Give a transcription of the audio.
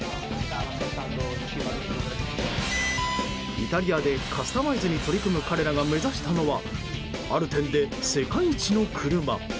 イタリアでカスタマイズに取り組む彼らが目指したのはある点で世界一の車。